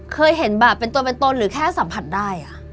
เคยเห็นแบบเป็นตัวเป็นตนหรือแค่สัมผัสได้